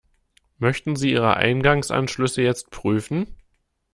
Möchten Sie Ihre Eingangsanschlüsse jetzt prüfen?